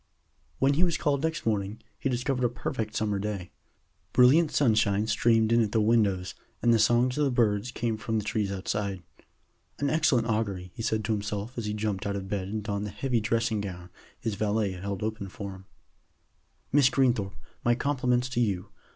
When he was called next morning, he discovered a perfect summer day. Brilliant sunshine streamed in at the windows, and the songs of the birds came from the trees outside. "An excellent augury," he said to himself as he jumped out of bed and donned the heavy dressing gown his valet held open for him. "Miss Greenthorpe, my compliments to you.